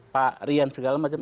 pak rian segala macam